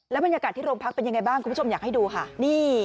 บรรยากาศที่โรงพักเป็นยังไงบ้างคุณผู้ชมอยากให้ดูค่ะนี่